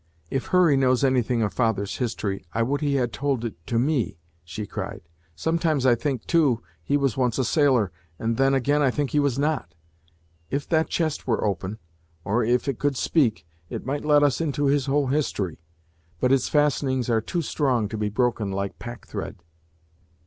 "If Hurry knows anything of father's history, I would he had told it to me!" she cried. "Sometimes I think, too, he was once a sailor, and then again I think he was not. If that chest were open, or if it could speak, it might let us into his whole history. But its fastenings are too strong to be broken like pack thread."